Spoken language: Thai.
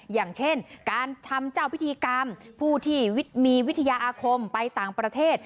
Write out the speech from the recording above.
อย่างเช่นการทำเจ้าพิธีกรรมผู้ที่มีวิทยาอาคมไปต่างประเทศ